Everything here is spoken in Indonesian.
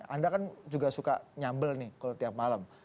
anda kan juga suka nyambel nih kalau tiap malam